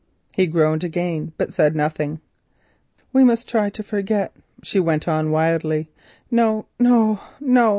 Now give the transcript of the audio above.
He groaned again, but said nothing. "We must try to forget," she went on wildly. "Oh no!